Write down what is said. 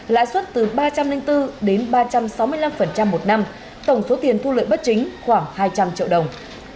lãi suất từ ba trăm linh bốn đến ba trăm sáu mươi năm một năm tổng số tiền thu lợi bất chính khoảng hai trăm linh triệu đồng